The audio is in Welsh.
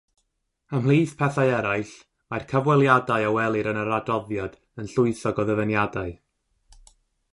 Ymhlith pethau eraill, mae'r cyfweliadau a welir yn yr adroddiad yn llwythog o ddyfyniadau.